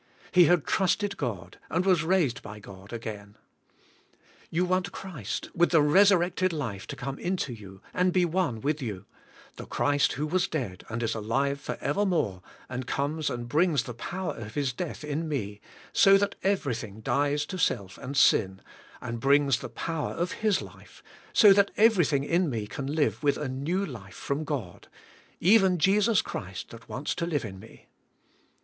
He had trusted God and was raised by God ag ain. You want Christ, with the resurrected life, to come into you, and be one with you, the Christ who was dead and is alive for evermore, and comes and bring^s the power of His death in me, so that every thing dies to self and sin, and bring s the power of His life, so that everything in me can live with a new life from God, even Jesus Christ that wants to live in me.